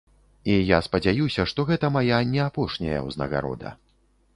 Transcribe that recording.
І я спадзяюся, што гэта мая не апошняя ўзнагарода.